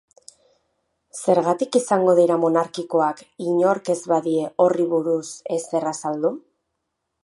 Zergatik izango dira monarkikoak inork ez badie horri buruz ezer azaldu?